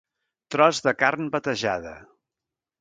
Tros de carn batejada.